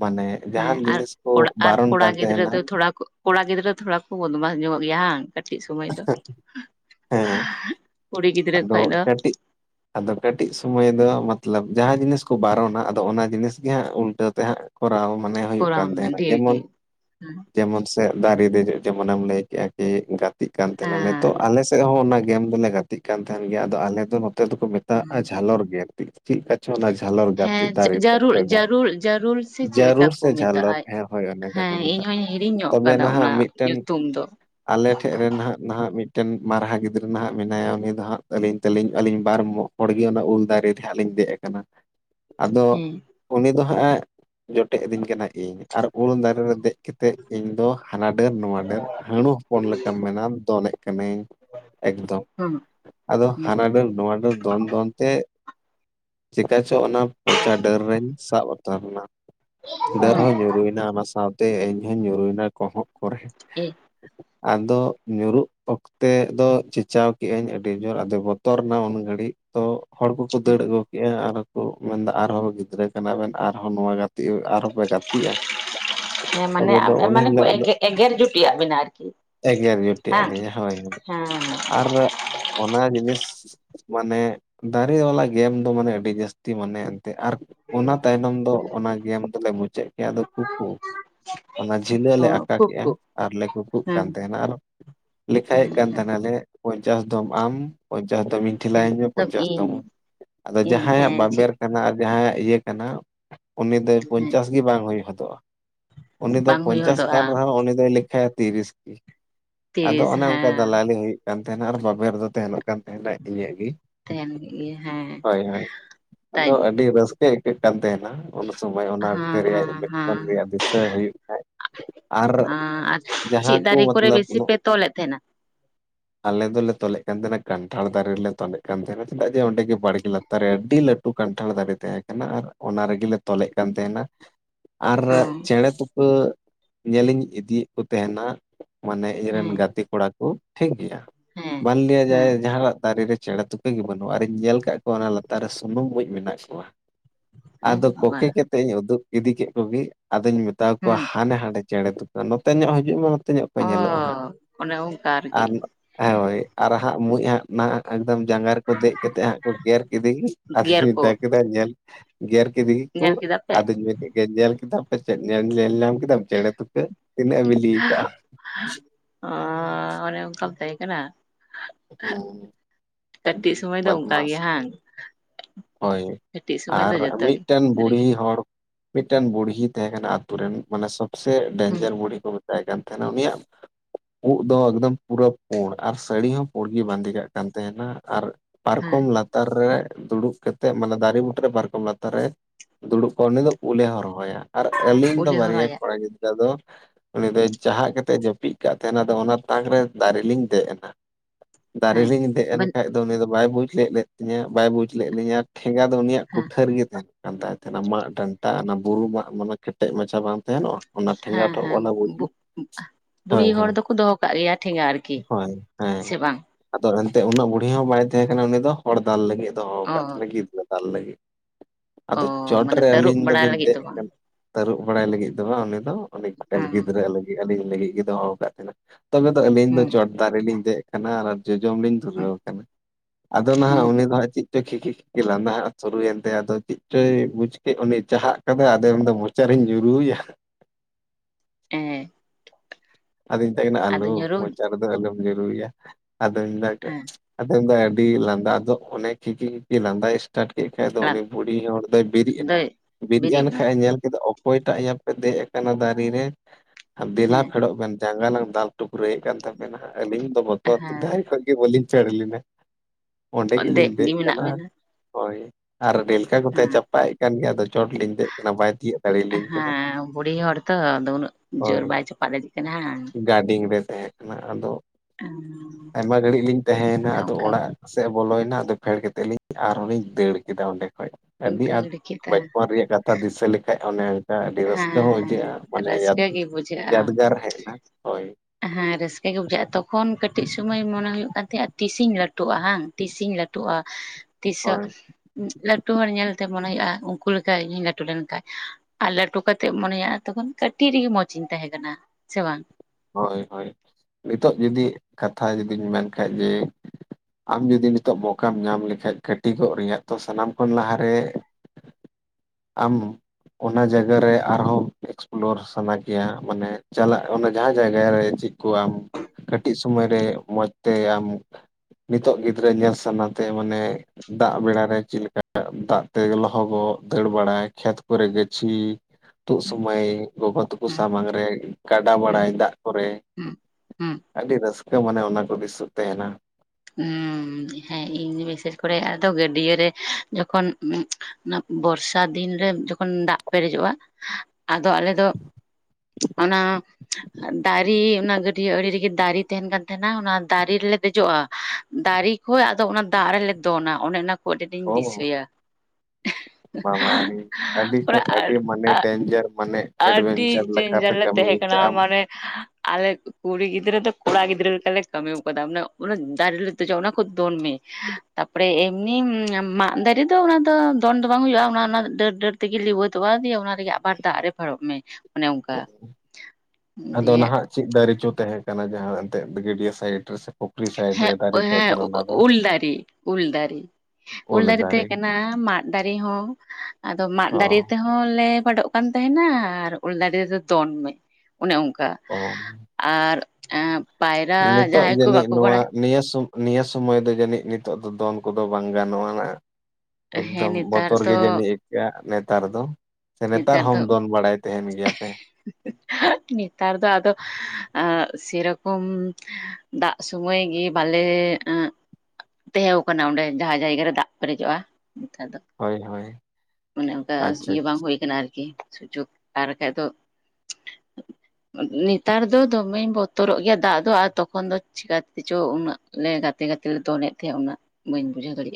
[SPEAKER 1] ᱢᱟᱱᱮ
[SPEAKER 2] ᱦᱮᱸ
[SPEAKER 1] ᱡᱟᱦᱟᱱ
[SPEAKER 2] ᱟᱨ
[SPEAKER 1] ᱡᱤᱱᱤᱥ ᱠᱚ
[SPEAKER 2] ᱠᱚᱲᱟ ᱟᱨ
[SPEAKER 1] ᱵᱟᱨᱚᱱ
[SPEAKER 2] ᱠᱚᱲᱟ
[SPEAKER 1] ᱠᱟᱱ
[SPEAKER 2] ᱜᱤᱫᱽᱨᱟᱹ
[SPEAKER 1] ᱛᱟᱦᱮᱱᱟ᱾
[SPEAKER 2] ᱫᱚ ᱛᱷᱚᱲᱟ ᱠᱚ ᱠᱚᱲᱟ ᱜᱤᱫᱽᱨᱟᱹ ᱛᱷᱚᱲᱟ ᱠᱚ ᱵᱚᱫᱢᱟᱥ ᱧᱚᱜ ᱜᱮᱭᱟ ᱦᱟᱝ? ᱠᱟᱹᱴᱤᱡ ᱥᱚᱢᱚᱭ ᱫᱚ
[SPEAKER 1] ᱦᱮᱸ
[SPEAKER 2] ᱠᱩᱲᱤ ᱜᱤᱫᱽᱨᱟᱹ
[SPEAKER 1] ᱟᱫᱚ
[SPEAKER 2] ᱠᱷᱚᱡ ᱫᱚ᱾
[SPEAKER 1] ᱠᱟᱹᱴᱤᱡ ᱟᱫᱚ ᱠᱟᱹᱴᱤᱡ ᱥᱚᱢᱚᱭ ᱫᱚ ᱢᱚᱛᱞᱚᱵ ᱡᱟᱦᱟᱸ ᱡᱤᱱᱤᱥ ᱠᱚ ᱵᱟᱨᱚᱱᱟ ᱟᱫᱚ ᱚᱱᱟ ᱡᱤᱱᱤᱥ ᱜᱮ ᱦᱟᱸᱜ ᱩᱞᱴᱟᱹ ᱛᱮ ᱦᱟᱸᱜ ᱠᱚᱨᱟᱣ ᱢᱟᱱᱮ ᱦᱩᱭᱩᱜ
[SPEAKER 2] ᱠᱚᱨᱟᱣ
[SPEAKER 1] ᱠᱟᱱ
[SPEAKER 2] ᱢᱮ
[SPEAKER 1] ᱛᱟᱦᱮᱱᱟ
[SPEAKER 2] ᱰᱷᱮᱨ ᱜᱮ
[SPEAKER 1] ᱡᱮᱢᱚᱱ ᱡᱮᱢᱚᱱ ᱥᱮᱜ ᱫᱟᱨᱮ ᱫᱮᱡᱚᱜ ᱡᱮᱢᱚᱱᱮᱢ ᱞᱟᱹᱭ ᱠᱮᱜᱼᱟ ᱡᱮ ᱜᱟ ᱛᱤᱜ ᱠᱟᱱ ᱛᱟᱦᱮᱱᱟᱞᱮ
[SPEAKER 2] ᱦᱮᱸ
[SPEAKER 1] ᱛᱚ ᱟᱞᱮ ᱥᱮᱫ ᱦᱚᱸ ᱚᱱᱟ ᱜᱮᱢ ᱫᱚᱞᱮ ᱜᱟᱛᱮᱜ ᱠᱟᱱ ᱛᱟᱦᱮᱱ ᱜᱮᱭᱟ ᱟᱫᱚ ᱟᱞᱮ ᱫᱚ ᱱᱚᱛᱮ ᱫᱚᱠᱚ ᱢᱮ ᱛᱟᱜᱼᱟ ᱡᱷᱟᱚᱞᱚᱨ ᱜᱮᱛᱤ᱾ ᱪᱮᱜᱠᱟ ᱪᱚ ᱚᱱᱟ ᱡᱷᱟᱞᱚᱨ ᱜᱟᱛᱮ
[SPEAKER 2] ᱦᱮᱸ
[SPEAKER 1] ᱫᱟᱨᱮ ᱪᱚᱴ
[SPEAKER 2] ᱡᱟᱹᱨᱩᱲ
[SPEAKER 1] ᱠᱷᱟᱡ ᱫᱚᱱ
[SPEAKER 2] ᱡᱟᱹᱨᱩᱲ ᱡᱟᱹᱨᱩᱲ ᱥᱮ ᱪᱮᱫ ᱞᱮᱠᱟ
[SPEAKER 1] ᱡᱟᱹᱨᱩᱲ
[SPEAKER 2] ᱠᱚ
[SPEAKER 1] ᱥᱮ
[SPEAKER 2] ᱢᱮᱛᱟᱜᱼᱟ
[SPEAKER 1] ᱡᱷᱟᱞᱚᱨ ᱦᱮᱸ ᱦᱳᱭ ᱚᱱᱮᱠᱟ ᱠᱚ
[SPEAKER 2] ᱦᱮᱸ ᱤᱧ
[SPEAKER 1] ᱢᱮᱛᱟᱜᱼᱟ
[SPEAKER 2] ᱦᱚᱧ ᱦᱤᱲᱤᱧ ᱧᱚᱜ
[SPEAKER 1] ᱛᱚᱵᱮ
[SPEAKER 2] ᱠᱟᱫᱟ ᱚᱱᱟ
[SPEAKER 1] ᱱᱟᱦᱟᱜ ᱢᱤᱫᱴᱮᱱ
[SPEAKER 2] ᱧᱩᱛᱩᱢ ᱫᱚ
[SPEAKER 1] ᱟᱞᱮ ᱴᱷᱮᱱ ᱥᱮᱜ ᱨᱮ ᱱᱟᱦᱟᱜ ᱱᱟᱦᱟᱜ ᱢᱤᱫᱴᱮᱱ ᱢᱟᱨᱦᱟ ᱜᱤᱫᱽᱨᱟᱹ ᱱᱟᱦᱟᱜ ᱢᱮᱱᱟᱭᱟ ᱩᱱᱤ ᱫᱚ ᱦᱟᱜ ᱟᱹᱞᱤᱧ ᱛᱮᱞᱤᱧ ᱟᱹᱞᱤᱧ ᱵᱟᱨ ᱦᱚᱲᱜᱮ ᱚᱱᱟ ᱩᱞ ᱫᱟᱨᱮ ᱨᱮ ᱦᱟᱸᱜ ᱞᱤᱧ ᱫᱮᱡ ᱟᱠᱟᱱᱟ ᱟᱫᱚ
[SPEAKER 2] ᱦᱮᱸ
[SPEAKER 1] ᱩᱱᱤ ᱫᱚ ᱦᱟᱸᱜ ᱮᱸ ᱡᱚᱴᱮᱜ ᱫᱤᱧ ᱠᱟᱱᱟ ᱤᱧ ᱟᱨ ᱩᱞ ᱫᱟᱨᱮ ᱨᱮ ᱫᱮᱡ ᱠᱟᱛᱮᱜ ᱤᱧ ᱫᱚ ᱦᱟᱱᱟ ᱰᱷᱟᱹᱨ ᱱᱚᱣᱟ ᱰᱟᱹᱨ ᱦᱟᱹᱬᱩ ᱦᱚᱯᱚᱱ ᱞᱮᱠᱟ ᱢᱮᱱᱟᱢ ᱫᱚᱱᱮᱜ ᱠᱟᱹᱱᱟᱹᱧ ᱮᱠᱫᱚᱢ
[SPEAKER 2] ᱦᱩᱸ
[SPEAKER 1] ᱟᱫᱚ
[SPEAKER 2] ᱦᱩᱸ
[SPEAKER 1] ᱦᱟᱱᱟ ᱰᱟᱹᱨ ᱱᱚᱣᱟ ᱰᱟᱹᱨ ᱫᱚᱱ ᱫᱚᱱ ᱛᱮ ᱪᱮᱠᱟ ᱪᱚ ᱚᱱᱟ ᱯᱚᱪᱟ ᱰᱟᱹᱨ ᱨᱮᱧ ᱥᱟᱵ ᱟᱛᱟᱹᱨᱱᱟ᱾ ᱰᱟᱹᱨ ᱦᱚᱸ ᱧᱩᱨᱩᱭᱱᱟ ᱚᱱᱟ ᱥᱟᱶᱛᱮ ᱤᱧᱦᱚᱧ ᱧᱩᱨᱩᱭᱱᱟ ᱠᱚᱸᱦᱚᱜ ᱠᱚᱨᱮ᱾
[SPEAKER 2] ᱮ
[SPEAKER 1] ᱟᱫᱚ ᱧᱩᱨᱩᱜ ᱚᱠ ᱛᱮ ᱫᱚ ᱪᱮᱸᱪᱟᱣ ᱠᱮᱜ ᱟᱹᱧ ᱟᱹᱰᱤ ᱡᱳᱨ ᱟᱫᱚ ᱵᱚᱛᱚᱨ ᱮᱱᱟ ᱩᱱᱜᱷᱟᱹᱲᱤᱜ᱾ ᱛᱚ ᱦᱚᱲ ᱠᱚᱠᱚ ᱫᱟᱹᱲ ᱟᱹᱜᱩ ᱠᱮᱜᱼᱟ ᱟᱨ ᱠᱚ ᱢᱮᱱᱫᱟ ᱟᱨᱦᱚᱸ ᱜᱤᱫᱽᱨᱟᱹ ᱠᱟᱱᱟ ᱵᱮᱱ ᱟᱨᱦᱚᱸ ᱱᱚᱣᱟ ᱜᱟ ᱛᱤᱜᱟᱨᱦᱚᱸᱯᱮ ᱜᱟᱛᱮᱜᱼᱟ
[SPEAKER 2] ᱢᱟᱱᱮ
[SPEAKER 1] ᱛᱚᱵᱮ ᱫᱚ ᱩᱱ
[SPEAKER 2] ᱢᱟᱱᱮ ᱠᱚ
[SPEAKER 1] ᱦᱤᱞᱳᱜ ᱫᱚ
[SPEAKER 2] ᱮᱜᱮᱨ ᱮᱜᱮᱨ ᱡᱩᱴᱤ ᱟᱵᱤᱱᱟ ᱟᱨᱠᱤ᱾
[SPEAKER 1] ᱮᱜᱮᱨ ᱡᱴᱤᱜᱼᱟ
[SPEAKER 2] ᱦᱟᱝ
[SPEAKER 1] ᱞᱤᱧᱟ ᱦᱳᱭ ᱦᱳᱭ
[SPEAKER 2] ᱦᱮᱸ ᱦᱮᱸ
[SPEAKER 1] ᱟᱨ ᱚᱱᱟ ᱡᱤᱱᱤᱥ ᱢᱟᱱᱮ ᱫᱟᱨᱮ ᱵᱟᱞᱟ ᱜᱮᱢ ᱫᱚ ᱢᱟᱱᱮ ᱟᱹᱰᱤ ᱡᱟᱹᱥᱛᱤ ᱢᱟᱱᱮ ᱛᱮ ᱟᱨ ᱚᱱᱟ ᱛᱟᱭᱱᱚᱢ ᱫᱚ ᱚᱱᱟ ᱜᱮᱢ ᱫᱚᱞᱮ ᱢᱩᱪᱟᱹᱜ ᱠᱮᱜ-ᱟ ᱟᱫᱚ ᱠᱩᱠᱩ᱾ ᱚᱱᱟ ᱡᱷᱤᱸᱞᱟᱹ ᱞᱮ ᱟᱠᱟᱸ
[SPEAKER 2] ᱠᱷᱩᱵ
[SPEAKER 1] ᱠᱮᱜᱼᱟ
[SPEAKER 2] ᱠᱷᱩᱵ
[SPEAKER 1] ᱟᱨᱞᱮ ᱠᱩᱠᱩᱜ
[SPEAKER 2] ᱦᱮᱸ
[SPEAKER 1] ᱠᱟᱱ ᱛᱟᱦᱮᱱᱟ ᱟᱨᱚ ᱞᱮᱠᱷᱟᱭᱮᱜ
[SPEAKER 2] ᱦᱮᱸ
[SPEAKER 1] ᱠᱟᱱ ᱛᱟᱦᱮᱱᱟᱞᱮ ᱯᱚᱧᱪᱟᱥ ᱫᱷᱚᱢ ᱟᱢ ᱯᱚᱧᱪᱟᱥ ᱫᱚᱢ ᱤᱧ ᱴᱷᱮᱞᱟᱭᱤᱧ ᱢᱮ
[SPEAKER 2] ᱦᱮᱸ
[SPEAKER 1] ᱯᱚᱧᱪᱟᱥ
[SPEAKER 2] ᱤᱧ
[SPEAKER 1] ᱫᱚᱢ ᱟᱫᱚ
[SPEAKER 2] ᱤᱧ
[SPEAKER 1] ᱡᱟᱦᱟᱸᱟᱭᱟᱜ
[SPEAKER 2] ᱦᱮᱸ ᱪᱮᱫ
[SPEAKER 1] ᱵᱟᱵᱮᱨ ᱠᱟᱱᱟ ᱟᱨ ᱡᱟᱦᱟᱸᱭᱟᱜ ᱤᱭᱟᱹ ᱠᱟᱱᱟ ᱩᱱᱤ ᱫᱚ
[SPEAKER 2] ᱦᱮᱸ
[SPEAKER 1] ᱯᱚᱧᱪᱟᱥ ᱜᱮ ᱵᱟᱝ ᱦᱩᱭ ᱦᱚᱫᱚᱜᱼᱟ᱾ ᱩᱱᱤ ᱫᱚ
[SPEAKER 2] ᱵᱟᱝ ᱦᱩᱭ
[SPEAKER 1] ᱯᱚᱧᱪᱟᱥ
[SPEAKER 2] ᱦᱚᱫᱚᱜᱼᱟ
[SPEAKER 1] ᱠᱟᱱ ᱨᱮᱦᱚᱸ ᱩᱱᱤ ᱫᱚᱭ ᱞᱮᱠᱷᱟᱭᱟ ᱛᱤᱨᱤᱥ ᱜᱤ᱾ ᱟᱫᱚ
[SPEAKER 2] ᱛᱤᱨᱤᱥ
[SPEAKER 1] ᱚᱱᱮ ᱚᱝᱠᱟ
[SPEAKER 2] ᱦᱮᱸ
[SPEAKER 1] ᱫᱟᱞᱟᱞᱤ ᱦᱩᱭᱩᱜ ᱠᱟᱱ ᱛᱟᱦᱮᱱᱟ ᱟᱨ ᱵᱟᱵᱮᱨ ᱨᱮ ᱫᱚ ᱛᱟᱦᱮᱱᱟᱚᱜ ᱠᱟᱱ ᱛᱟᱦᱮᱱᱟ ᱤᱧᱟᱹᱜ ᱜᱤ,
[SPEAKER 2] ᱛᱟᱦᱮᱱ ᱜᱮᱭᱟ ᱦᱮᱸ
[SPEAKER 1] ᱦᱳᱭ ᱦᱳᱭ
[SPEAKER 2] ᱛᱟᱭ
[SPEAKER 1] ᱟᱫᱚ ᱟᱹᱰᱤ ᱨᱟᱹᱥ ᱠᱟᱹ ᱟᱹᱭᱠᱟᱹᱜ ᱠᱟᱱ ᱛᱟᱦᱮᱱᱟ ᱩᱱ ᱥᱚᱢᱚᱭ ᱚᱱᱟ ᱚᱠᱛᱮ
[SPEAKER 2] ᱦᱮᱸ
[SPEAKER 1] ᱨᱮᱭᱟᱜ
[SPEAKER 2] ᱦᱮᱸ ᱦᱮᱸ
[SPEAKER 1] [unintelligible] ᱨᱮᱭᱟᱜ ᱫᱤᱥᱟᱹ ᱦᱩᱭᱩᱜ ᱠᱷᱟᱡ᱾ ᱟᱨ
[SPEAKER 2] ᱟᱨ
[SPEAKER 1] ᱡᱟᱦᱟᱸ
[SPEAKER 2] ᱪᱮᱫ
[SPEAKER 1] ᱠᱚ
[SPEAKER 2] ᱫᱟᱨᱮ ᱠᱚᱨᱮ
[SPEAKER 1] ᱢᱚᱛᱞᱚᱵ
[SPEAKER 2] ᱵᱮᱥᱤ ᱯᱮ ᱛᱚᱞᱮᱜ ᱛᱟᱦᱮᱱᱟ᱾
[SPEAKER 1] ᱟᱞᱮ ᱫᱚᱞᱮ ᱛᱚᱞᱮᱜ ᱠᱟᱱ ᱛᱟᱦᱮᱱᱟ ᱠᱟᱱᱴᱷᱟᱲ ᱫᱟᱨᱤ ᱨᱮᱞᱮ ᱛᱚᱞᱮᱜ ᱠᱟᱱ ᱛᱟᱦᱮᱱᱟ ᱪᱮᱫᱟᱜ ᱡᱮ ᱚᱸᱰᱮ ᱜᱮ ᱵᱟᱲᱜᱮ ᱞᱟ ᱛᱟᱨᱮ ᱟᱹᱰᱤ ᱞᱟᱹᱴᱩ ᱠᱟᱱᱴᱷᱟᱲ ᱫᱟᱨᱮ ᱛᱟᱦᱮᱸ ᱠᱟᱱᱟ ᱟᱨ ᱚᱱᱟ ᱨᱮᱜᱮ ᱞᱮ ᱛᱚᱞᱮᱜ ᱠᱟᱱ ᱛᱟᱦᱮᱱᱟ᱾ ᱟᱨ
[SPEAKER 2] ᱚ
[SPEAKER 1] ᱪᱮᱸᱬᱮ ᱛᱩᱠᱟᱹ ᱧᱮᱞᱤᱧ ᱤᱫᱤᱭᱮᱜ ᱠᱚ ᱛᱟᱦᱮᱱᱟ᱾ ᱢᱟᱱᱮ ᱤᱧᱨᱮᱱ
[SPEAKER 2] ᱦᱮᱸ
[SPEAKER 1] ᱜᱟᱛᱮ ᱠᱚᱲᱟ ᱠᱚ ᱴᱷᱤᱠ ᱜᱮᱭᱟ
[SPEAKER 2] ᱦᱮᱸ
[SPEAKER 1] ᱢᱟᱱᱞᱤᱭᱟ ᱡᱟᱭ
[SPEAKER 2] ᱦᱮᱸ
[SPEAKER 1] ᱡᱟᱦᱟᱸᱱᱟᱜ ᱫᱟᱨᱮ ᱨᱮ ᱪᱮᱬᱮ ᱛᱩᱠ ᱠᱟᱹ ᱜᱮ ᱵᱟᱹᱱᱩᱜᱼᱟ ᱟᱨᱤᱧ ᱧᱮᱞ ᱠᱟᱜ ᱠᱚᱣᱟ ᱚᱱᱟ ᱞᱟᱛᱟᱨ ᱨᱮ ᱥᱩᱱᱩᱢ ᱢᱩᱡ ᱢᱮᱱᱟᱜ ᱠᱚᱣᱟ
[SPEAKER 2] ᱟᱭ
[SPEAKER 1] ᱟᱫᱚ
[SPEAKER 2] ᱵᱟᱵᱟ
[SPEAKER 1] ᱠᱚᱠᱮ ᱠᱟᱛ ᱛᱮᱧ ᱩᱫᱩᱜ ᱤᱫᱤ ᱠᱮᱜ ᱠᱚᱜᱤ ᱟᱫᱚᱧ ᱢᱮᱛᱟᱠᱚᱣᱟ
[SPEAKER 2] ᱦᱮᱸ
[SPEAKER 1] ᱦᱟᱱᱮ ᱦᱟᱸᱰᱮ ᱪᱮᱸᱬᱮ ᱛᱩᱠᱟᱹ ᱱᱚᱛᱮ ᱧᱚᱜ ᱦᱤᱡᱩᱜ ᱢᱮ ᱛᱮ ᱧᱚᱜ ᱠᱚ
[SPEAKER 2] ᱚ
[SPEAKER 1] ᱧᱮᱞᱚᱜᱼᱟ
[SPEAKER 2] ᱚᱱᱮ ᱚᱱᱠᱟ ᱟᱨᱠᱤ
[SPEAKER 1] ᱦᱟᱸᱜ ᱟᱨ ᱦᱳᱭ ᱟᱨ ᱦᱟᱸᱜ ᱢᱩᱡ ᱦᱟᱸᱜ ᱱᱟᱦᱟᱜ ᱮᱠᱫᱚᱢ ᱡᱟᱸᱜᱟ ᱨᱮ ᱠᱩ ᱫᱮᱡ ᱠᱟᱛᱮᱜ ᱦᱟᱸᱜ ᱠᱚ ᱜᱮᱨ ᱠᱮᱫᱮ ᱟᱫᱚᱧ
[SPEAKER 2] ᱜᱮᱨ ᱠᱚ
[SPEAKER 1] ᱢᱮᱛᱟᱭ ᱠᱟᱱᱟ ᱧᱮᱞ ᱜᱮᱨ ᱠᱮᱫᱮ ᱜᱤ ᱠᱚ
[SPEAKER 2] ᱧᱮᱞ ᱠᱮᱫᱟ ᱯᱮ
[SPEAKER 1] ᱟᱫᱧ ᱢᱮ ᱜᱮ ᱧᱮᱞ ᱠᱮᱫᱟᱢ ᱯᱟᱪᱮᱫ ᱧᱮᱞ ᱧᱮᱞ ᱧᱟᱢ ᱠᱮᱫᱟᱢ ᱪᱮᱸᱬᱮ ᱛᱩᱠᱟᱹ ᱛᱤᱱᱟᱹᱜ ᱮ ᱵᱤᱞᱤ ᱠᱟᱜᱼᱟ?
[SPEAKER 2] ᱚ ᱚᱱᱮ ᱚᱱᱠᱟᱢ ᱛᱟᱦᱮᱸ ᱠᱟᱱᱟ?
[SPEAKER 1] ᱦᱮᱸ
[SPEAKER 2] ᱠᱟᱹᱴᱤᱡ
[SPEAKER 1] ᱟᱹᱰᱤ
[SPEAKER 2] ᱥᱩᱢᱚᱭ ᱫᱚ ᱚᱱᱠᱟ
[SPEAKER 1] ᱵᱚᱫᱢᱟᱥ᱾
[SPEAKER 2] ᱜᱮ ᱦᱟᱝ
[SPEAKER 1] ᱦᱳᱭ
[SPEAKER 2] ᱠᱟᱹᱴᱤᱡ ᱥᱩᱢᱚᱭ ᱫᱚ
[SPEAKER 1] ᱟᱨ
[SPEAKER 2] ᱡᱚᱛᱚ ᱜᱮ
[SPEAKER 1] ᱢᱤᱫᱴᱮᱱ
[SPEAKER 2] ᱜᱤᱫᱽᱨᱟᱹ ᱜᱮ
[SPEAKER 1] ᱵᱩᱲᱦᱤ ᱦᱚᱲ ᱢᱤᱫᱴᱮᱱ ᱵᱩᱲᱦᱤ ᱛᱟᱦᱮᱸᱱᱟ ᱟᱛᱩᱨᱮᱱ ᱢᱟᱱᱮ ᱥᱚᱵᱥᱮ
[SPEAKER 2] ᱦᱮᱸ
[SPEAKER 1] ᱰᱮᱧᱡᱟᱨ ᱵᱩᱲᱦᱤ ᱠᱚ ᱛᱟᱭ ᱠᱟᱱ ᱛᱟᱦᱮᱸᱱᱟ ᱩᱱᱤᱭᱟᱜ ᱩᱵ ᱫᱚ ᱮᱠᱫᱚᱢ ᱯᱩᱨᱟᱹ ᱯᱩᱬ ᱟᱨ ᱥᱟᱺᱲᱤ ᱦᱚᱸ ᱩᱲᱜᱤ ᱵᱟᱸᱫᱮ ᱠᱟᱜ ᱠᱟᱱ ᱛᱟᱦᱮᱱᱟ ᱟᱨ
[SPEAKER 2] ᱦᱮᱸ
[SPEAKER 1] ᱯᱟᱨᱠᱚᱢ ᱞᱟᱛ ᱞᱟᱛᱟᱨ ᱨᱮ ᱫᱩᱲᱩᱵ ᱠᱟᱛᱮᱫ ᱢᱟᱱᱮ ᱫᱟᱨᱮ ᱵᱩᱴᱟᱹᱨᱮ ᱯᱟᱨᱠᱚᱢ ᱞᱟᱛᱟᱨ ᱨᱮ ᱫᱩᱲᱩᱵ ᱠᱚᱜᱼᱟ ᱩᱱᱤ ᱫᱚ ᱩᱞᱮ ᱦᱚᱨᱚᱦᱚᱭᱟ ᱟᱨ ᱟᱹᱞᱤᱧ ᱫᱚ
[SPEAKER 2] ᱩᱞᱮ
[SPEAKER 1] ᱵᱟᱨᱭᱟ
[SPEAKER 2] ᱦᱚᱨᱚᱭᱟ
[SPEAKER 1] ᱠᱚᱲᱟ ᱜᱤᱫᱽᱨᱟᱹ ᱟᱫᱚ, ᱩᱱᱤ ᱫᱚ ᱪᱟᱦᱟᱜ ᱠᱟᱛᱮᱫ ᱡᱟᱹᱯᱤᱫ ᱠᱟᱫ ᱛᱟᱦᱮᱱᱟ ᱟᱫᱚ ᱚᱱᱟ ᱛᱟᱠᱨᱮ ᱫᱟᱨᱮ ᱞᱤᱧ ᱫᱮᱡ ᱮᱱᱟ ᱾ ᱫᱟᱨᱮ
[SPEAKER 2] ᱦᱮᱸ
[SPEAKER 1] ᱞᱤᱧ ᱫᱮᱡ ᱮᱱ
[SPEAKER 2] ᱦᱮᱸ
[SPEAKER 1] ᱠᱷᱟᱡᱽ ᱫᱚ ᱩᱱᱤ ᱫᱚ ᱵᱟᱭ ᱵᱩᱡ ᱞᱮᱫ ᱞᱮᱫ ᱛᱤᱧᱟᱹ ᱵᱟᱭ ᱵᱩᱡ ᱞᱮᱫ ᱞᱤᱧᱟᱹ ᱴᱷᱮᱸᱜᱟ ᱫᱚ ᱩᱱᱤᱭᱟᱜ ᱠᱩᱴᱷᱟᱹᱨ ᱜᱮ ᱛᱟᱦᱮᱸᱱ ᱠᱟᱱ ᱛᱟᱦᱮᱸ ᱛᱟᱦᱮᱸᱱᱟ ᱢᱟᱜ ᱰᱟᱱᱴᱟ ᱚᱱᱟ ᱵᱩᱨᱩ ᱢᱟᱜ ᱢᱟᱱᱮ ᱠᱮᱴᱮᱡ ᱢᱟᱪᱷᱟ ᱵᱟᱝ ᱛᱟᱦᱮᱱᱚᱜᱼᱟ ᱚᱱᱟ ᱴᱷᱮᱸᱜᱟ
[SPEAKER 2] ᱦᱮᱸ
[SPEAKER 1] ᱴᱟᱜ
[SPEAKER 2] ᱦᱮᱸ
[SPEAKER 1] ᱚᱱᱟ ᱵᱩᱨᱜᱩ
[SPEAKER 2] ᱵᱩᱲᱦᱤ ᱦᱚᱲ ᱫᱚᱠᱚ ᱫᱚᱦᱚ ᱠᱟᱜ ᱜᱮᱭᱟ ᱴᱷᱮᱸᱜᱟ ᱟᱨᱠᱤ
[SPEAKER 1] ᱦᱳᱭ ᱦᱮᱸ
[SPEAKER 2] ᱥᱮ ᱵᱟᱝ?
[SPEAKER 1] ᱟᱫᱚ ᱮᱱᱛᱮᱜ ᱩᱱᱟᱹᱜ ᱵᱩᱲᱦᱤ ᱦᱚᱸ ᱵᱟᱭ ᱛᱟᱦᱮᱸ ᱠᱟᱱᱟ ᱩᱱᱤ ᱫᱚ ᱦᱚᱲ ᱫᱟᱞ ᱞᱟᱹᱜᱤᱫ ᱫᱚᱦᱚ
[SPEAKER 2] ᱚ
[SPEAKER 1] ᱟᱠᱟᱫ ᱛᱟᱦᱮᱱᱟ ᱜᱤᱫᱽᱨᱟᱹ ᱫᱟᱞ ᱞᱟᱹᱜᱤᱫ
[SPEAKER 2] ᱚ
[SPEAKER 1] ᱟᱫᱚ
[SPEAKER 2] ᱢᱟᱱᱮ
[SPEAKER 1] ᱪᱚᱴᱨᱮ
[SPEAKER 2] ᱛᱟᱹᱨᱩᱵ
[SPEAKER 1] ᱟᱹᱞᱤᱧ
[SPEAKER 2] ᱵᱟᱲᱟᱭ
[SPEAKER 1] ᱫᱚᱞᱤᱧ
[SPEAKER 2] ᱞᱟᱹᱜᱤᱫ
[SPEAKER 1] ᱫᱮᱡ
[SPEAKER 2] ᱫᱚ ᱵᱟᱝ
[SPEAKER 1] ᱠᱟᱱᱟ ᱾ ᱛᱟᱹᱨᱩᱵ ᱵᱟᱲᱟᱭ ᱞᱟᱹᱜᱤᱫ ᱫᱚ ᱵᱟᱝ ᱩᱱᱤ ᱫᱚ ᱢᱤᱫᱴᱮᱱ
[SPEAKER 2] ᱦᱩᱸ
[SPEAKER 1] ᱜᱤᱫᱽᱨᱟᱹ ᱞᱟᱹᱜᱤᱫ ᱟᱞᱤᱧ ᱞᱟᱹᱜᱤᱫ ᱜᱮ ᱫᱚᱦᱚ ᱟᱠᱟᱫ ᱛᱟᱦᱮᱱᱟ ᱾ ᱛᱚᱵᱮ ᱫᱚ ᱟᱹᱞᱤᱧ ᱫᱚ
[SPEAKER 2] ᱦᱩᱸ
[SPEAKER 1] ᱪᱚᱴ ᱫᱟᱨᱮ ᱞᱤᱧ ᱫᱮᱡ ᱟᱠᱟᱱᱟ ᱟᱨ ᱡᱚᱡᱚᱢ ᱞᱤᱧ
[SPEAKER 2] ᱦᱩᱸ
[SPEAKER 1] ᱫᱷᱩᱨᱟᱹᱣ ᱠᱟᱱᱟ ᱟᱫᱚ
[SPEAKER 2] ᱦᱩᱸ
[SPEAKER 1] ᱱᱟᱦᱟᱜ ᱩᱱᱤ ᱫᱚ ᱦᱟᱸᱜ ᱪᱮᱜ ᱠᱷᱤᱠᱤ ᱠᱷᱤᱠᱤ ᱞᱟᱸᱫᱟ ᱦᱟᱜᱼᱟ ᱛᱚ ᱥᱩᱨᱩᱮᱱᱛᱮ ᱟᱫᱚ ᱪᱮᱫ ᱪᱚᱭ ᱵᱩᱡ ᱠᱮᱫ ᱩᱱᱤ ᱪᱟᱦᱟᱜ ᱠᱟᱫᱟᱭ ᱟᱫᱚ ᱩᱱᱤ ᱫᱚ ᱢᱚ ᱪᱟᱨᱤᱧ ᱡᱩᱨᱩᱭᱟ ᱾
[SPEAKER 2] ᱦᱮᱸ
[SPEAKER 1] ᱟᱫᱚᱧ ᱢᱮᱛᱟᱭ ᱠᱟᱱᱟ
[SPEAKER 2] ᱟᱫᱚ
[SPEAKER 1] ᱟᱹᱞᱚ
[SPEAKER 2] ᱧᱩᱨᱩ
[SPEAKER 1] ᱢᱚᱪᱟ ᱨᱮᱫᱚ ᱟᱞᱩᱢ ᱧᱩᱨᱩᱭᱟ ᱟᱫᱚᱧ ᱢᱮᱱᱫᱟᱭ
[SPEAKER 2] ᱦᱮᱸ
[SPEAKER 1] ᱟᱫᱚ ᱫᱚ ᱟᱹᱰᱤ ᱞᱟᱸᱫᱟ ᱟᱫᱚ ᱚᱱᱮ ᱠᱷᱤᱠᱤ ᱠᱷᱤᱠᱤ ᱞᱟᱸᱫᱟᱭ ᱥᱴᱟᱨᱴ ᱠᱮᱫ ᱠᱷᱟ ᱫᱚ ᱩᱱᱤ ᱵᱩᱲᱦᱤ ᱦᱚᱲ ᱫᱚᱭ ᱵᱤᱨᱤᱫ ᱮᱱᱟ
[SPEAKER 2] ᱫᱟᱹᱭ
[SPEAKER 1] ᱵᱤᱨᱤᱫ ᱮᱱ ᱠᱷᱟᱡᱽ ᱧᱮᱞ ᱠᱮᱫᱟ, ᱚ ᱚᱠᱚᱭᱴᱟᱜ ᱮᱭᱟᱯᱮ ᱫᱮᱡ ᱟᱠᱟᱱᱟ ᱫᱟᱨᱮ ᱨᱮ
[SPEAKER 2] ᱦᱮᱸ
[SPEAKER 1] ᱫᱮᱞᱟᱯ ᱾ ᱪᱟᱹᱲᱚᱜ ᱵᱮᱱ ᱡᱟᱸᱜᱟ ᱞᱟᱝ ᱫᱟᱞ ᱴᱩᱠᱨᱟᱹᱭᱮᱫ ᱠᱟᱱ ᱛᱟᱵᱮᱱᱟ ᱟᱹᱞᱤᱧ ᱫᱚ ᱵᱚᱛᱚᱨ
[SPEAKER 2] ᱦᱮᱸ
[SPEAKER 1] ᱫᱟᱨᱤ ᱠᱷᱚᱱᱚᱡ ᱜᱮ ᱵᱟᱹᱞᱤᱧ ᱪᱟᱹᱲ ᱞᱮᱱᱟ ᱚᱸᱰᱮ ᱜᱮᱞᱤᱧ ᱫᱮᱡ
[SPEAKER 2] ᱜᱮ ᱢᱮᱱᱟᱜ
[SPEAKER 1] ᱠᱟᱱᱟ
[SPEAKER 2] ᱵᱮᱱᱟ
[SPEAKER 1] ᱾ ᱦᱳᱭ, ᱟᱨ ᱰᱷᱮᱞᱠᱟ ᱠᱚᱛᱮ
[SPEAKER 2] ᱦᱮᱸ
[SPEAKER 1] ᱪᱟᱯᱟᱜ ᱮᱫ ᱠᱟᱱ ᱜᱮᱭᱟ ᱟᱫᱚ ᱪᱚᱴ ᱞᱤᱧ ᱫᱮᱡ ᱠᱟᱱᱟ ᱵᱟᱭ ᱛᱤᱭᱳᱟᱹᱜ ᱫᱟᱲᱮᱭᱟᱜ
[SPEAKER 2] ᱦᱮᱸ ᱵᱩᱲᱤ ᱦᱚᱲ ᱛᱚ ᱟᱫᱚ ᱩᱱᱟᱹᱜ ᱡᱳᱨ ᱵᱟᱭ ᱪᱟᱯᱟ ᱫᱟᱲᱤᱜ ᱠᱟᱱᱟ ᱾
[SPEAKER 1] ᱫᱚᱢᱮ ᱜᱷᱟᱹᱲᱤᱡ ᱤᱝ ᱨᱮ ᱛᱟᱦᱮᱸ ᱠᱟᱱᱟ ᱟᱫᱚ ᱟᱭᱢᱟ ᱜᱷᱟᱹᱲᱤᱡ ᱞᱤᱧ ᱛᱟᱦᱮᱸᱭᱱᱟ
[SPEAKER 2] ᱚᱱᱮ
[SPEAKER 1] ᱟᱫᱚ
[SPEAKER 2] ᱚᱱᱠᱟ
[SPEAKER 1] ᱚᱲᱟᱜ ᱥᱮᱫ ᱵᱚᱞᱚᱭᱮᱱᱟ ᱟᱫᱚ ᱯᱷᱮᱰ ᱠᱟᱛᱮᱫ ᱞᱤᱧ ᱟᱨᱦᱚᱸ ᱞᱤᱧ ᱫᱟᱹᱲ ᱠᱮᱫᱟ ᱚᱸᱰᱮ ᱠᱷᱚᱡᱽ ᱾ ᱟᱹᱰᱤ ᱟᱸᱴ
[SPEAKER 2] ᱫᱟᱹᱲ ᱠᱮᱫᱟ
[SPEAKER 1] ᱵᱟᱪᱯᱚᱱ ᱨᱮᱭᱟᱜ ᱠᱟᱛᱷᱟ ᱫᱤᱥᱟᱹ ᱞᱮᱠᱷᱟᱡ ᱚᱱᱮ ᱟᱹᱰᱤ ᱨᱟᱹᱥᱠᱟᱹ ᱦᱚᱸ ᱵᱩᱡᱟᱹᱜᱼᱟ
[SPEAKER 2] ᱦᱮᱸ
[SPEAKER 1] ᱢᱟᱱᱮ
[SPEAKER 2] ᱨᱟᱹᱥᱠᱟᱹ ᱜᱮ ᱵᱩᱡᱷᱟᱹᱜᱼᱟ
[SPEAKER 1] ᱡᱟᱰᱜᱟᱨ ᱦᱮᱡ ᱱᱟ ᱦᱳᱭ ᱾
[SPEAKER 2] ᱦᱮᱸ ᱨᱟᱹᱥᱠᱟᱹ ᱜᱮ ᱵᱩᱡᱷᱟᱹᱜᱼᱟ ᱛᱚᱠᱷᱚᱱ ᱠᱟᱹᱴᱤᱡ ᱥᱩᱢᱟᱹᱭ ᱢᱚᱱᱮ ᱦᱩᱭᱩᱜ ᱠᱟᱱ ᱛᱟᱦᱮᱜ-ᱟ ᱛᱤᱥᱤᱧ ᱞᱟᱹᱴᱩᱜᱼᱟ ᱵᱟᱝ ᱛᱤᱥᱤᱧ ᱞᱟᱹᱴᱩᱜᱼᱟ ᱛᱤᱥᱚᱜ
[SPEAKER 1] ᱦᱳᱭ
[SPEAKER 2] ᱞᱟᱹᱴᱩ ᱦᱚᱲ ᱧᱮᱞᱛᱮ ᱢᱚᱱᱮ ᱦᱩᱭᱩᱜᱼᱟ ᱩᱱᱠᱩ ᱞᱮᱠᱟ ᱤᱧᱦᱚᱧ ᱞᱟᱹᱴᱩ ᱞᱮᱱᱠᱷᱟᱡ ᱾ ᱟᱨ ᱞᱟᱹᱴᱩ ᱠᱟᱛᱮᱜ ᱢᱚᱱᱮᱭᱟ ᱛᱚᱠᱷᱚᱱ ᱠᱟᱹᱴᱤᱜ ᱨᱮᱜᱮ ᱢᱚᱡᱽ ᱤᱧ ᱛᱟᱦᱮᱸ ᱠᱟᱱᱟ ᱥᱮ ᱵᱟᱝ?
[SPEAKER 1] ᱦᱳᱭ ᱦᱳᱭ ᱱᱤᱛᱚᱜ ᱡᱩᱫᱤ ᱠᱟᱛᱷᱟ ᱡᱩᱫᱤᱧ ᱢᱮᱱ ᱠᱷᱟᱡ ᱡᱮ ᱟᱢ ᱡᱩᱫᱤ ᱱᱤᱛᱚᱜ ᱢᱚᱠᱟᱢ ᱧᱟᱢ ᱞᱮᱠᱷᱟᱡ ᱠᱟᱹᱴᱤᱜᱼᱚᱜ ᱨᱮᱭᱟᱜ ᱛᱚ ᱥᱟᱱᱟᱢ ᱠᱷᱚᱱ ᱞᱟᱦᱟᱨᱮ
[SPEAKER 2] [inaudible]
[SPEAKER 1] ᱟᱢ ᱚᱱᱟ ᱡᱟᱭᱜᱟ ᱨᱮ ᱟᱨᱦᱚᱸ ᱮᱠᱥᱯᱞᱳᱨ ᱥᱟᱱᱟ ᱜᱮᱭᱟ ᱢᱟᱱᱮ ᱪᱟᱞᱟᱜ ᱡᱟᱦᱟ ᱡᱟᱭᱜᱟ ᱨᱮ ᱪᱮᱫ ᱠᱚ ᱟᱢ ᱠᱟᱹᱴᱤᱡ ᱥᱚᱢᱚᱭᱨᱮ ᱢᱚᱡᱽ ᱛᱮ ᱟᱢ ᱱᱤᱛᱚᱜ ᱜᱤᱫᱽᱨᱟᱹ ᱧᱮᱞ ᱥᱟᱱᱟᱛᱮ ᱢᱟᱱᱮ ᱫᱟᱜ ᱵᱮᱲᱟᱨᱮ ᱪᱮᱫ ᱞᱮᱠᱟ ᱫᱟᱜ ᱛᱮ ᱞᱚᱦᱚᱜᱚᱜ ᱫᱟᱹᱲ ᱵᱟᱲᱟᱭ ᱠᱷᱮᱛ ᱠᱚᱨᱮ ᱜᱟᱹᱪᱷᱤ ᱛᱳᱜ ᱥᱩᱢᱟᱹᱭ ᱜᱚᱜᱚ ᱛᱟᱠᱚ
[SPEAKER 2] ᱦᱩᱸ
[SPEAKER 1] ᱥᱟᱢᱟᱝ ᱨᱮ ᱠᱟᱰᱟ
[SPEAKER 2] ᱦᱩᱸ
[SPEAKER 1] ᱵᱟᱲᱟᱭ ᱫᱟᱜ ᱠᱚᱨᱮ
[SPEAKER 2] ᱦᱩᱸ ᱦᱩᱸ
[SPEAKER 1] ᱟᱹᱰᱤ ᱨᱟᱹᱥᱠᱟᱹ ᱢᱟᱱᱮ ᱚᱱᱟ ᱠᱚ ᱫᱤᱥᱟᱹ ᱛᱟᱦᱮᱱᱟ
[SPEAKER 2] ᱦᱩᱸ ᱦᱮᱸ ᱤᱧ ᱵᱤᱥᱮᱥ ᱠᱚᱨᱮ ᱟᱫᱚ ᱜᱟᱹᱰᱭᱟᱹ ᱨᱮ ᱡᱚᱠᱷᱚᱱ ᱚᱱᱟ ᱵᱚᱨᱥᱟ ᱫᱤᱱ ᱨᱮ ᱡᱚᱠᱷᱚᱱ ᱫᱟᱜ ᱯᱮᱨᱮᱡᱚᱜᱼᱟ ᱟᱫᱚ ᱟᱞᱮ ᱫᱚ ᱚᱱᱟ ᱾ ᱫᱟᱨᱮ ᱚᱱᱟ ᱜᱟᱹᱰᱭᱟᱹ ᱟᱲᱮ ᱨᱮᱜᱮ ᱫᱟᱨᱮ ᱛᱟᱦᱮᱱ ᱠᱟᱱ ᱛᱟᱦᱮᱱᱟ ᱚᱱᱟ ᱫᱟᱨᱮ ᱨᱮᱞᱮ ᱫᱮᱡᱚᱜᱼᱟ ᱾ ᱫᱟᱨᱮ ᱠᱷᱚᱡ ᱟᱫᱚ ᱚᱱᱟ ᱫᱟᱜ ᱨᱮᱞᱮ ᱫᱚᱱᱟ ᱚᱱᱮ ᱚᱱᱟ ᱠᱚ ᱟᱹᱰᱤ ᱟᱸᱴᱤᱧ ᱫᱤᱥᱟᱹᱭᱟ ᱾
[SPEAKER 1] ᱵᱟᱵᱟ ᱨᱮ ᱟᱹᱰᱤ
[SPEAKER 2] ᱚᱱᱟ
[SPEAKER 1] ᱠᱷᱟᱡ ᱟᱹᱰᱤ ᱢᱟᱱᱮ ᱰᱮᱧᱡᱟᱨ ᱢᱟᱱᱮ ᱾
[SPEAKER 2] ᱟᱹᱰᱤ ᱪᱮᱧᱡᱟᱨ ᱞᱮ ᱛᱟᱦᱮᱸ ᱠᱟᱱᱟ ᱢᱟᱱᱮ ᱟᱞᱮ ᱠᱩᱲᱤ ᱜᱤᱫᱽᱨᱟᱹ ᱫᱚ ᱠᱚᱲᱟ ᱜᱤᱫᱽᱨᱟᱹ ᱞᱮᱠᱟᱞᱮ ᱠᱟᱹᱢᱤ ᱠᱟᱫᱟ ᱢᱟᱱᱮ ᱚᱱᱟ ᱫᱟᱨᱮᱞᱮ ᱫᱮᱡᱚᱜ ᱠᱟᱱᱟ ᱚᱱᱟ ᱠᱷᱚᱡ ᱫᱚᱱ ᱢᱮ ᱛᱟᱯᱚᱨᱮ ᱮᱢᱱᱤ ᱢᱟᱜ ᱫᱟᱨᱮ ᱫᱚ ᱚᱱᱟ ᱫᱚ ᱫᱚᱱ ᱫᱚ ᱵᱟᱝ ᱦᱩᱭᱩᱜᱼᱟ ᱚᱱᱟ ᱚᱱᱟ ᱰᱟᱹᱨ ᱰᱟᱹᱨ ᱛᱮᱜᱮ ᱞᱤᱣᱟᱹᱫᱚᱜᱼᱟ ᱫᱤᱭᱮ ᱚᱱᱟ ᱨᱮᱜᱮ ᱟᱵᱟᱨ ᱫᱟᱜ ᱨᱮ ᱯᱷᱟᱨᱚᱜ ᱢᱮ ᱚᱱᱮ ᱚᱱᱠᱟ
[SPEAKER 1] ᱟᱫᱚ
[SPEAKER 2] ᱫᱤᱭᱮ
[SPEAKER 1] ᱱᱟᱦᱟᱜ ᱪᱮᱫ ᱫᱟᱨᱮ ᱪᱚ ᱛᱟᱦᱮᱸ ᱠᱟᱱᱟ ᱡᱟᱦᱟ ᱮᱱᱛᱮᱜ ᱜᱟᱹᱰᱭᱟᱹ ᱥᱟᱭᱤᱰ ᱨᱮ ᱯᱩᱠᱷᱨᱤ ᱥᱟᱭᱤᱰ ᱨᱮ
[SPEAKER 2] ᱦᱮᱸ
[SPEAKER 1] ᱫᱟᱨᱮ ᱛᱟᱦᱮᱸ
[SPEAKER 2] ᱦᱮᱸ
[SPEAKER 1] ᱠᱟᱱᱟ ᱚᱱᱟ ᱫᱚ
[SPEAKER 2] ᱩᱞ ᱫᱟᱨᱤ ᱩᱞ ᱫᱟᱨᱤ ᱩᱞ ᱫᱟᱨᱮ ᱛᱟᱦᱮᱸ ᱠᱟᱱᱟ ᱢᱟᱜ ᱫᱟᱨᱮ ᱦᱚᱸ ᱟᱫᱚ ᱢᱟᱜ
[SPEAKER 1] ᱚ
[SPEAKER 2] ᱫᱟᱨᱮ ᱛᱮᱦᱚᱸ ᱦᱚᱸ ᱞᱮ ᱯᱷᱟᱰᱚᱜ ᱠᱟᱱ ᱛᱟᱦᱮᱱᱟ ᱟᱨ ᱩᱞ ᱫᱟᱨᱮ ᱨᱮ ᱫᱚᱱ ᱢᱮ ᱚᱱᱮ ᱚᱝᱠᱟ
[SPEAKER 1] ᱚ
[SPEAKER 2] ᱟᱨ ᱯᱟᱭᱨᱟ
[SPEAKER 1] ᱱᱤᱛᱚᱜ
[SPEAKER 2] ᱡᱟᱦᱟᱭ ᱠᱚ
[SPEAKER 1] ᱡᱟᱹᱱᱤᱡ
[SPEAKER 2] ᱵᱟᱠᱚ ᱵᱟᱲᱟᱭᱟ
[SPEAKER 1] ᱱᱚᱣᱟ ᱱᱤᱭᱟᱹ ᱥᱚᱢ.. ᱱᱤᱭᱟ. ᱥᱚᱢᱚᱭ ᱫᱚ ᱡᱟᱹᱱᱤᱡ ᱱᱤᱛᱚᱜ ᱫᱚ ᱫᱚᱱ ᱠᱚᱫᱚ ᱵᱟᱝ ᱜᱟᱱᱚᱜ-ᱟ ᱱᱟᱜ
[SPEAKER 2] ᱦᱮᱸ
[SPEAKER 1] ᱮᱠᱫᱚᱢ
[SPEAKER 2] ᱱᱮᱛᱟᱨ
[SPEAKER 1] ᱵᱚᱛᱚᱨ ᱜᱮ
[SPEAKER 2] ᱫᱚ
[SPEAKER 1] ᱡᱟᱹᱱᱤᱜ ᱱᱮᱛᱟᱨ ᱫᱚ ᱥᱮ ᱱᱮᱛᱟᱨ ᱦᱚᱢ ᱫᱚᱱ ᱵᱟᱲᱟᱭ ᱛᱟᱦᱮᱱ ᱜᱮᱭᱟᱯᱮ
[SPEAKER 2] ᱱᱮᱛᱟᱨ ᱫᱚ ᱟᱫᱚ ᱥᱮᱨᱚᱠᱚᱢ ᱫᱟᱜ ᱥᱳᱢᱳᱭ ᱜᱮ ᱵᱟᱞᱮ ᱛᱮᱦᱮᱸᱣ ᱠᱟᱱᱟ ᱚᱸᱰᱮ ᱡᱟᱦᱟᱸ ᱡᱟᱭᱜᱟᱟᱨᱮ ᱫᱟᱜ ᱯᱮᱨᱮᱡᱚᱜᱼᱟ ᱱᱮᱛᱟᱨ ᱫᱚ
[SPEAKER 1] ᱦᱳᱭ ᱦᱳᱭ
[SPEAKER 2] ᱚᱱᱮ ᱚᱝᱠᱟ
[SPEAKER 1] ᱟᱪᱪᱷᱟ
[SPEAKER 2] ᱤᱭᱟᱹ ᱵᱟᱝ ᱦᱳᱭ [unintelligible] ᱟᱨᱠᱤ ᱥᱩᱡᱳᱠ ᱟᱨᱠᱷᱟᱡ ᱫᱚ ᱱᱮᱛᱟᱨ ᱫᱚ ᱫᱚᱢᱮᱧ ᱵᱚᱛᱚᱨᱚᱜ ᱜᱮᱭᱟ ᱫᱟᱜ ᱫᱚ ᱟᱨ ᱛᱚᱠᱷᱚᱱ ᱫᱚ ᱪᱮᱠᱟ ᱛᱮᱪᱚ ᱩᱱᱟᱹᱜ ᱞᱮ ᱜᱟᱛᱮ ᱜᱟᱛᱮ ᱞᱮ ᱫᱚᱱᱮᱫ ᱛᱟᱦᱮᱜ-ᱟ ᱩᱱᱟᱹᱜ ᱵᱟᱹᱧ ᱵᱩᱡᱷᱟᱹᱣ ᱫᱟᱲᱮᱭᱟᱜᱼᱟ